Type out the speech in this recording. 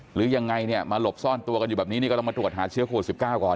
หรือยังไงเนี่ยมาหลบซ่อนตัวกันอยู่แบบนี้นี่ก็ต้องมาตรวจหาเชื้อโควิด๑๙ก่อน